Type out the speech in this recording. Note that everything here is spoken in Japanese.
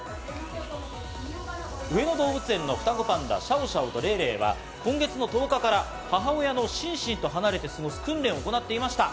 上野動物園の双子パンダ、シャオシャオとレイレイは今月の１０日から母親のシンシンと離れて過ごす訓練を行っていました。